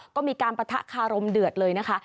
ก็มีการปะทะคารมเดือดเลยนะคะ